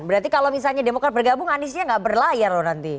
berarti kalau misalnya demokrat bergabung aniesnya nggak berlayar loh nanti